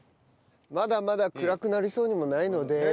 まだまだ暗くなりそうにもないので。